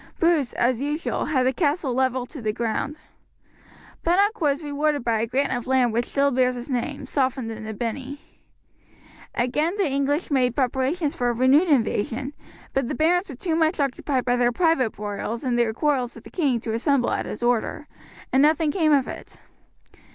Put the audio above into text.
Bruce, as usual, had the castle levelled to the ground. Bunnock was rewarded by a grant of land which still bears his name, softened into Binney. Again the English made preparations for a renewed invasion, but the barons were too much occupied by their private broils and their quarrels with the king to assemble at his order, and nothing came of it.